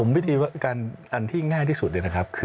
ผมวิธีการที่ง่ายที่สุดนี่นะครับ